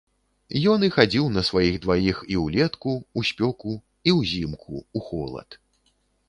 Ён і хадзіў на сваіх дваіх, і ўлетку, у спёку, і ўзімку, у холад.